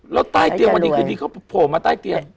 แล้วใต้เตียงวันนี้คือดีเขาโผล่มาใต้เตียง